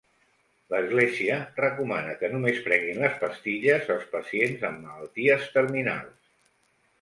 L'Església recomana que només prenguin les pastilles els pacients amb malalties terminals.